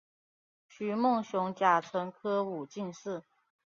徐梦熊甲辰科武进士。